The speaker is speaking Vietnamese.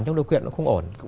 trong điều kiện nó không ổn